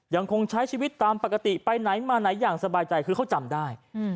ยังคงใช้ชีวิตตามปกติไปไหนมาไหนอย่างสบายใจคือเขาจำได้